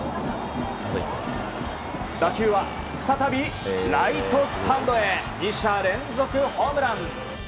打球は再びライトスタンドへ２者連続ホームラン。